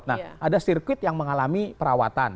nah ada sirkuit yang mengalami perawatan